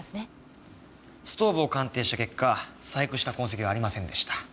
ストーブを鑑定した結果細工した痕跡はありませんでした。